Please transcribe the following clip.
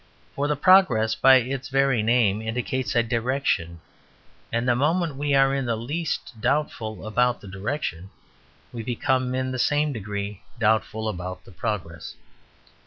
For progress by its very name indicates a direction; and the moment we are in the least doubtful about the direction, we become in the same degree doubtful about the progress.